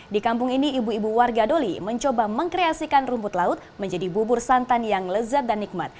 di kampung ini ibu ibu warga doli mencoba mengkreasikan rumput laut menjadi bubur santan yang lezat dan nikmat